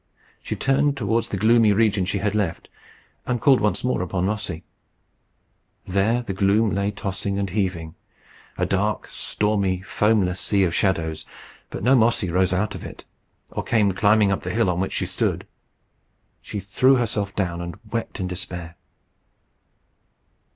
She turned towards the gloomy region she had left, and called once more upon Mossy. There the gloom lay tossing and heaving, a dark, stormy, foamless sea of shadows, but no Mossy rose out of it, or came climbing up the hill on which she stood. She threw herself down and wept in despair.